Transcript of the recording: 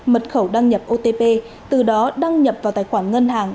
mật khẩu đăng nhập otp từ đó đăng nhập vào tài khoản ngân hàng